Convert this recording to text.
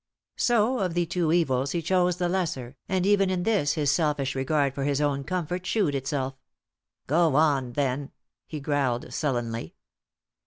So of the two evils he chose the lesser; and even in this his selfish regard for his own comfort shewed itself. "Go on, then," he growled, sullenly.